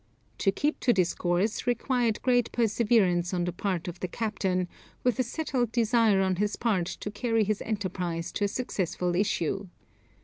To keep to this course required great perseverance on the part of the captain, with a settled desire on his part to carry his enterprise to a successful issue.